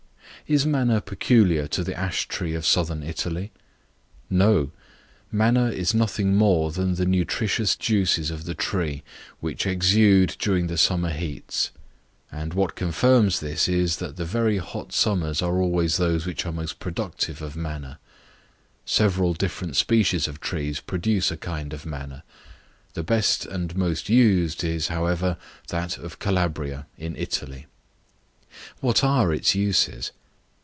Is Manna peculiar to the Ash Tree of Southern Italy? No. Manna is nothing more than the nutritious juices of the tree, which exude during the summer heats; and what confirms this is, that the very hot summers are always those which are most productive of manna. Several different species of trees produce a kind of manna; the best and most used is, however, that of Calabria, in Italy. What are its uses?